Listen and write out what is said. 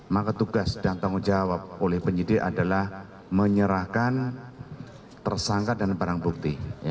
maka tugas dan tanggung jawab oleh penyidik adalah menyerahkan tersangka dan barang bukti